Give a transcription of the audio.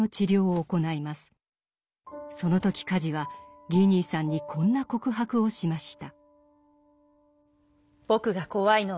その時カジはギー兄さんにこんな告白をしました。